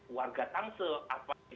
warga tangsel apa yang